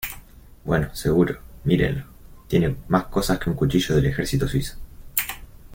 Bueno, seguro , mírenlo. Tiene más cosas que un cuchillo del ejército suizo .